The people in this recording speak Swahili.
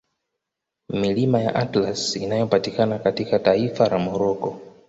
Milima ya Atlas inayopatikana katika taifa la Morocco